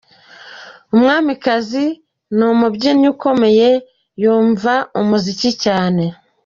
Umwamikazi ni umubyinnyi ukomeye, yumva umuziki cyane.